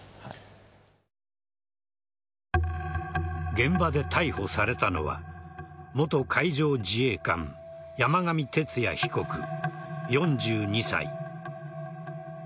現場で逮捕されたのは元海上自衛官山上徹也被告４２歳。